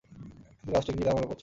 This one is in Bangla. কিন্তু কাজটি কী, তা মনে পড়ছে না।